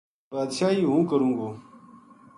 بادشاہی ہوں کروں گو‘‘